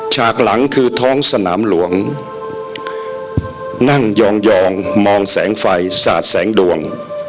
ฉากหลังคือท้องสนามหลวงนั่งยองมองแสงไฟสาดแสงดวง